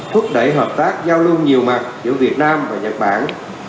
thúc đẩy hợp tác giao lưu nhiều mặt giữa việt nam và nhật bản